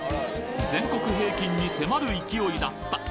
全国平均に迫る勢いだった！